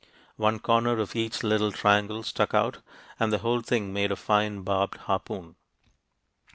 One corner of each little triangle stuck out, and the whole thing made a fine barbed harpoon.